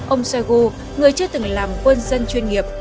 ông shoigu người chưa từng làm quân dân chuyên nghiệp